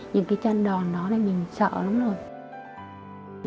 những cái chân đòn đó mình sợ lắm rồi